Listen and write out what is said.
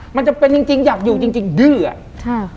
มันจะเป็นจริงจริงอยากอยู่จริงจริงดื้ออ่ะค่ะ